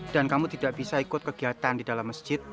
dan kamu tidak bisa ikut kegiatan di dalam masjid